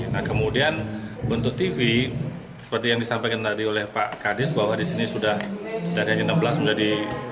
nah kemudian untuk tv seperti yang disampaikan tadi oleh pak kadis bahwa disini sudah dari hanya enam belas menjadi dua puluh enam